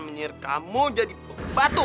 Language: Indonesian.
menyihir kamu jadi batu